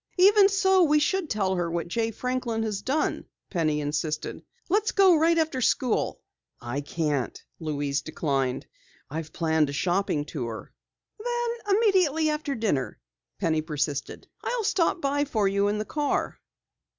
"Even so, we should tell her what Jay Franklin has done," Penny insisted. "Let's go right after school." "I can't," Louise declined. "I've planned a shopping tour." "Then, immediately after dinner," Penny persisted. "I'll stop by for you in the car."